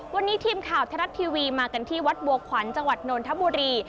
วันนี้ทีมข่าวไทยรัฐทีวีมากันที่วัดบัวขวัญจังหวัดนนทบุรี